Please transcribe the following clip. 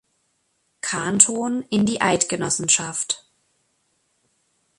Kanton in die Eidgenossenschaft.